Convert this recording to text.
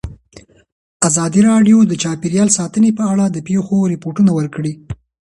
ازادي راډیو د چاپیریال ساتنه په اړه د پېښو رپوټونه ورکړي.